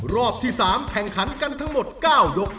รอบที่๓แข่งขันกันทั้งหมด๙ยก